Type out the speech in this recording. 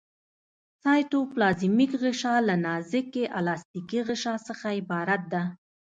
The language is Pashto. سایټوپلازمیک غشا له نازکې الستیکي غشا څخه عبارت ده.